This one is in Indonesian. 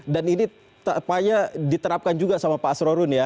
dan ini tapanya diterapkan juga sama pak asrorun ya